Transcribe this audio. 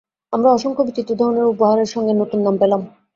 আমরা অসংখ্য বিচিত্র ধরনের উপহারের সঙ্গে নতুন নাম পেলাম।